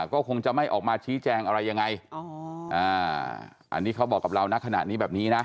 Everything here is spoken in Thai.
ก็คงจะไม่ออกมาชี้แจงอะไรยังไงอันนี้เขาบอกกับเรานะขณะนี้แบบนี้นะ